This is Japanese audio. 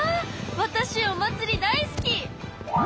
わたしお祭り大好き！